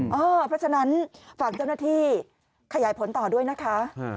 เพราะฉะนั้นฝากเจ้าหน้าที่ขยายผลต่อด้วยนะคะ